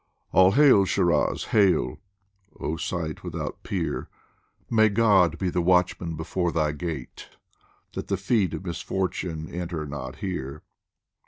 ALL hail, Shiraz, hail ! oh site without peer ! May God be the Watchman before thy gate, That the feet of Misfortune enter not here